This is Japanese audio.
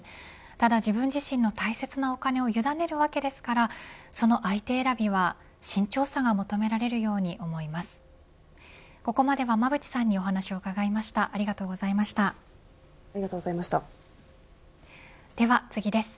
ただ自分自身の大切なお金をゆだねるわけですからその相手選びは慎重さが求められるように思います。